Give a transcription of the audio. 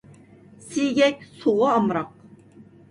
سىيگەك سۇغا ئامراق.